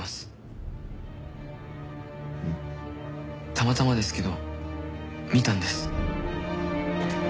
たまたまですけど見たんです。